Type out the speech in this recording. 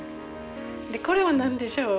「これは何でしょう？」